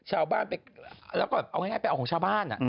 เอาให้ออกของชาวบ้าน